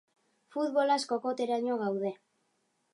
Futbolaz kokoteraino gaude.